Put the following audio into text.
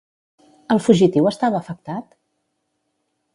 El fugitiu estava afectat?